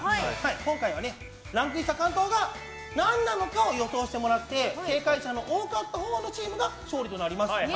今回は、ランクインしたものが何なのかを予想していただいて正解者の多かったほうのチームが勝利となります。